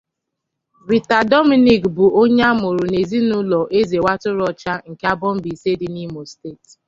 Rita Dominic bụ onye amụrụ n'ezinụlọ Eze Watụrụọcha nke Aboh Mbaise di n'Imo State.